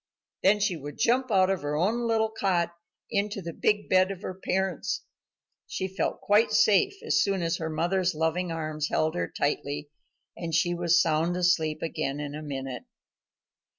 Then she would jump out of her own little cot into the big bed of her parents. She felt quite safe as soon as her mother's loving arms held her tightly, and she was sound asleep again in a minute.